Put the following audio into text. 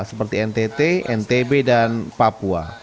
seperti ntt ntb dan papua